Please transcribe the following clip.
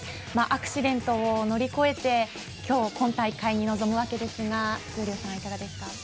アクシデントを乗り越えて今日、今大会に臨むわけですが闘莉王さんいかがですか？